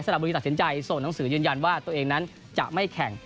ละบุรีตัดสินใจส่งหนังสือยืนยันว่าตัวเองนั้นจะไม่แข่ง